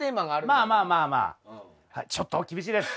まあまあまあまあちょっと厳しいです。